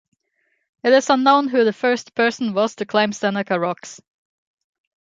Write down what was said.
It is unknown who the first person was to climb Seneca Rocks.